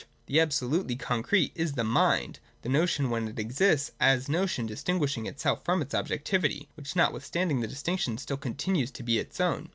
The absolutely concrete is the mind (see end of § 159) — the notion when it exists as notion distinguishing itself from its objectivity, which notwithstanding the distinction still continues to be its own.